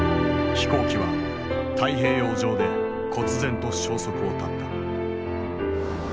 飛行機は太平洋上でこつ然と消息を絶った。